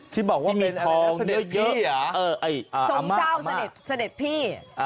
ที่บอกว่าเป็นสนิทพี่สมเจ้าสนิทพี่